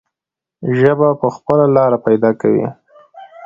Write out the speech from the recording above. ژبه به خپله لاره پیدا کوي.